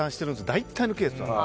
大体のケースは。